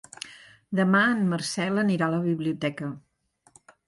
Demà en Marcel anirà a la biblioteca.